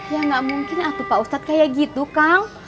ya gak mungkin atuh pak ustadz kayak gitu kang